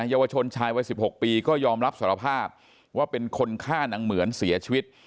เยาวชนชายวัย๑๖ปีก็ยอมรับสารภาพว่าเป็นคนฆ่านางเหมือนเสียชีวิต